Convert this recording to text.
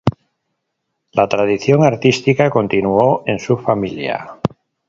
La tradición artística continuó en su familia.